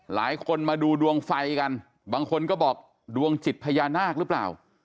มาดูดวงไฟกันบางคนก็บอกดวงจิตพญานาคหรือเปล่า